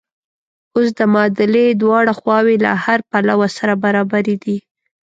اوس د معادلې دواړه خواوې له هره پلوه سره برابرې دي.